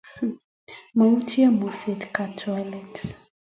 Mautye moset katwalet.